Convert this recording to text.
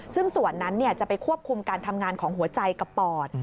ซึ่งส่วนนั้นจะไปควบคุมการทำงานของหัวใจกับปอด